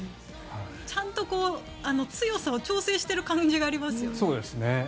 ちゃんと強さを調整している感じがありますね。